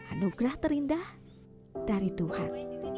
anugerah terindah dari tuhan